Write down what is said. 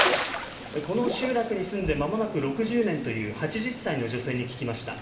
この集落に住んでまもなく６０年という８０歳の女性に聞きました。